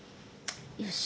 よし！